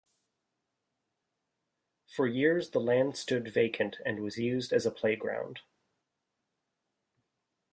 For years the land stood vacant and was used as a playground.